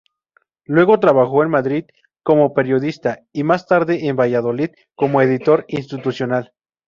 Luego, trabajó en Madrid, como periodista, y más tarde en Valladolid como editor institucional.